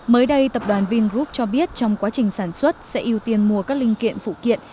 mới đây tập đoàn vingroup cho biết trong quá trình sản xuất sẽ ưu tiên mua các linh kiện phụ kiện